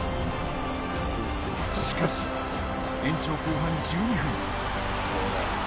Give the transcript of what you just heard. しかし、延長後半１２分。